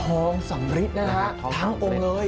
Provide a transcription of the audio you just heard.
ท้องสำลิดนะครับทั้งองค์เลย